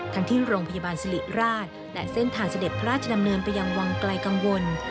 ทั้งที่โรงพยาบาลสิริราชและเส้นทางเสด็จพระราชดำเนินไปยังวังไกลกังวล